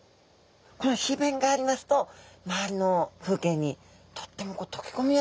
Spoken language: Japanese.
この皮弁がありますと周りの風景にとってもとけこみやすくなるんですね。